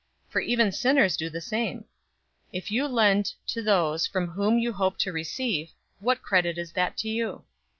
For even sinners do the same. 006:034 If you lend to those from whom you hope to receive, what credit is that to you?